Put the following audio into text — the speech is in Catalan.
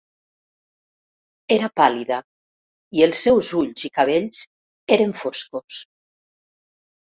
Era pàl·lida, i els seus ulls i cabells eren foscos.